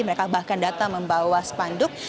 mereka bahkan datang membawa sepanduk